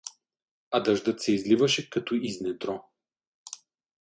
А дъждът се изливаше като из недро.